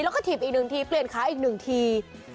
แล้วก็ถีบอีก๑ทีเปลี่ยนขาอีกหนึ่งที